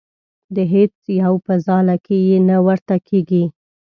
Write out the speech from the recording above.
د هیڅ یو په ځاله کې یې نه ورته کېږدي.